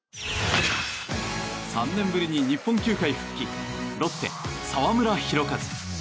３年ぶりに日本球界復帰ロッテ、澤村拓一。